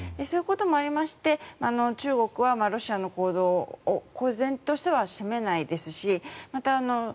そういうこともありまして中国はロシアの行動を公然としては責めないですしまた